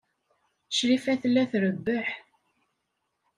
Crifa tella trebbeḥ.